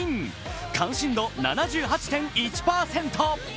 関心度７８．１％。